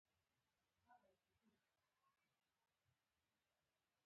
د کمېدو دغه بهير تر هغو روان وي.